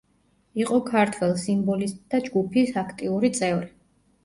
იყო ქართველ სიმბოლისტთა ჯგუფის აქტიური წევრი.